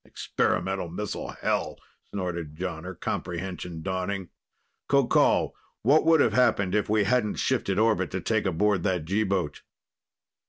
"Experimental missile, hell!" snorted Jonner, comprehension dawning. "Qoqol, what would have happened if we hadn't shifted orbit to take aboard that G boat?"